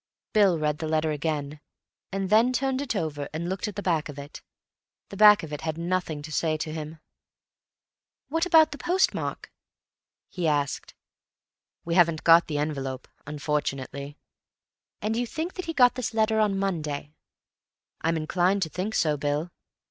Bill read the letter again, and then turned it over and looked at the back of it. The back of it had nothing to say to him. "What about the postmark?" he asked. "We haven't got the envelope, unfortunately." "And you think that he got this letter on Monday." "I'm inclined to think so, Bill.